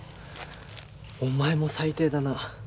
お前も最低だな。